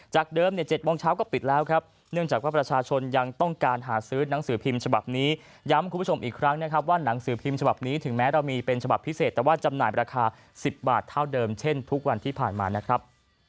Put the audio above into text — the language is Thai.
เดิมเนี่ย๗โมงเช้าก็ปิดแล้วครับเนื่องจากว่าประชาชนยังต้องการหาซื้อหนังสือพิมพ์ฉบับนี้ย้ำคุณผู้ชมอีกครั้งนะครับว่าหนังสือพิมพ์ฉบับนี้ถึงแม้เรามีเป็นฉบับพิเศษแต่ว่าจำหน่ายราคา๑๐บาทเท่าเดิมเช่นทุกวันที่ผ่านมานะครับ